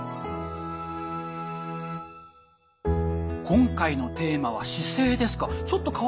今回のテーマは姿勢ですか。